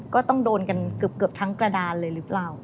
ก็ต้องโดนกันเกือบทั้งกระดานเลยหรือเปล่า